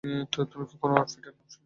তুমি কখনো আউটফিটের নাম শুনেছ?